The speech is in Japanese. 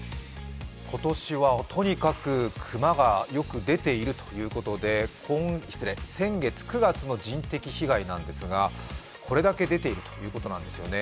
今年はとにかく熊がよく出ているということで先月９月の人的被害なんですがこれだけ出ているんですね。